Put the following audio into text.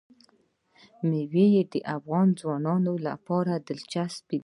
مېوې د افغان ځوانانو لپاره دلچسپي لري.